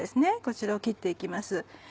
こちらを切って行きます。